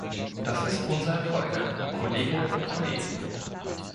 Das ist unser Erfolg, Kolleginnen und Kollegen.